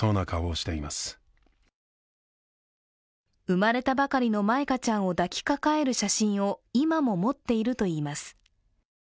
生まれたばかりの舞香ちゃんを抱き抱える写真を今も持っているといいます。